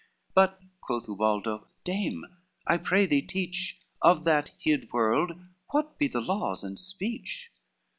"But," quoth Ubaldo, "dame, I pray thee teach Of that hid world, what be the laws and speech?"